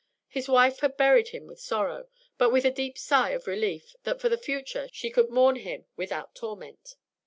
His wife had buried him with sorrow, but with a deep sigh of relief that for the future she could mourn him without torment.